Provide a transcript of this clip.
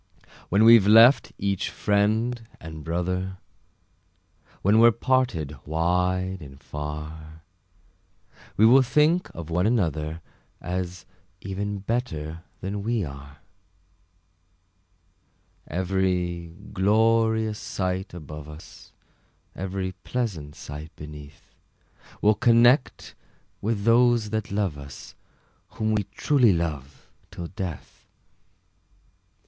When we've left each friend and brother, When we're parted wide and far, We will think of one another, As even better than we are. Every glorious sight above us, Every pleasant sight beneath, We'll connect with those that love us, Whom we truly love till death!